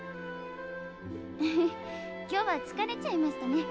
へへ今日は疲れちゃいましたね。